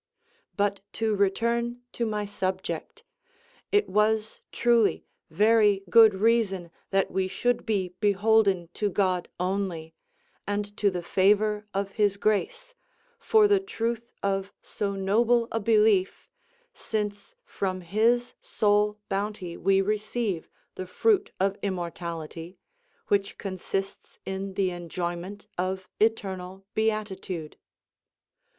But to return to my subject. It was truly very good reason that we should be beholden to God only, and to the favour of his grace, for the truth of so noble a belief, since from his sole bounty we receive the fruit of immortality, which consists in the enjoyment of eternal beatitude.